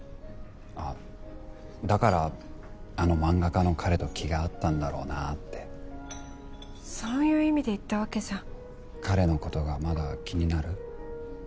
あっだからあのマンガ家の彼と気が合ったんだろうなってそういう意味で言ったわけじゃ彼のことがまだ気になる？